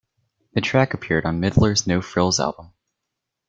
The track appeared on Midler's "No Frills" album.